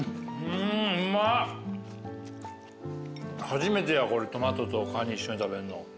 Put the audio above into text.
初めてやトマトとカニ一緒に食べんの。